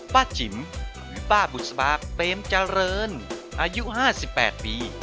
ป้าจิ๋มหรือป้าบุษบาเบมจริงอายุ๕๘ปี